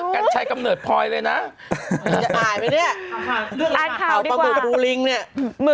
กันใช้กำเนิดพลอยเลยน่ะอ่ายไหมเนี้ยอ่านข่าวดีกว่าเอาปลาหมึกบูริงเนี้ย